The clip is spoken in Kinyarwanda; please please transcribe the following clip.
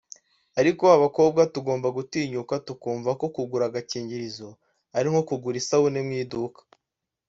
ariko abakobwa tugomba gutinyuka tukumva ko kugura agakingirizo ari nko kugura isabune mu iduka”